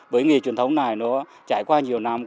với nghề truyền thống này nó trải qua nhiều năm